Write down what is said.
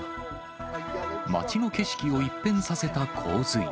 町の景色を一変させた洪水。